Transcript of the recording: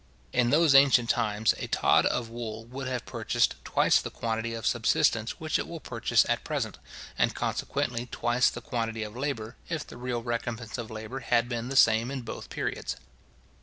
In those ancient times, a tod of wool would have purchased twice the quantity of subsistence which it will purchase at present, and consequently twice the quantity of labour, if the real recompence of labour had been the same in both periods.